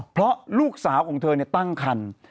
เพราะลูกสาวของเธอตั้งคัน